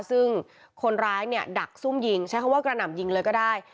ซึ่งคนร้ายเนี่ยดักซุ่มยิงใช้คำว่ากระหน่ำยิงเลยก็ได้